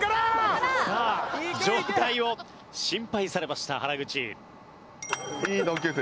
さあ状態を心配されました原口。